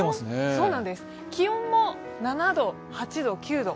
気温も７度、８度、９度。